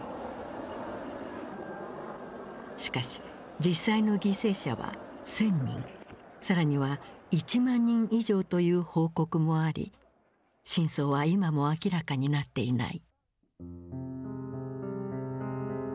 しかし実際の犠牲者は１，０００人更には１万人以上という報告もあり真相は今も明らかになっていない。